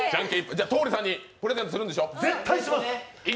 桃李さんにプレゼントするんでしょう？